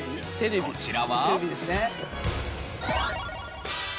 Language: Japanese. こちらは。